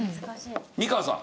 美川さん。